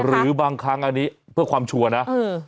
หรือบางครั้งอันนี้เพื่อความชัวร์นะ